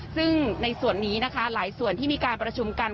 ซึ่งในส่วนนี้นะคะหลายส่วนที่มีการประชุมกัน